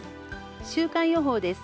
週間予報です。